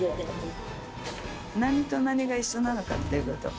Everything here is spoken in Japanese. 何と何が一緒なのかっていう事を。